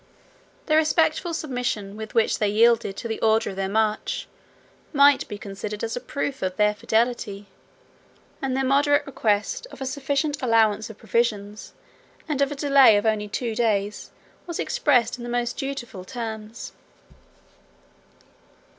The respectful submission with which they yielded to the order of their march, might be considered as a proof of their fidelity; and their moderate request of a sufficient allowance of provisions, and of a delay of only two days was expressed in the most dutiful terms.